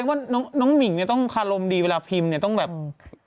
ต้องมีแต่คนในโซเชียลว่าถ้ามีข่าวแบบนี้บ่อยทำไมถึงเชื่อขนาดใด